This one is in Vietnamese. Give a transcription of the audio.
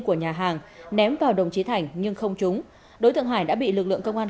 của nhà hàng ném vào đồng chí thành nhưng không trúng đối tượng hải đã bị lực lượng công an